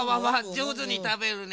じょうずにたべるね。